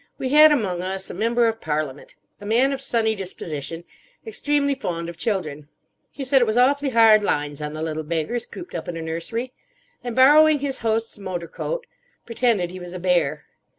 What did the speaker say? We had among us a Member of Parliament: a man of sunny disposition, extremely fond of children. He said it was awfully hard lines on the little beggars cooped up in a nursery; and borrowing his host's motor coat, pretended he was a bear.